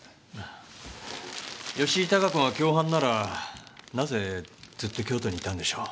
吉井孝子が共犯ならなぜずっと京都にいたんでしょう？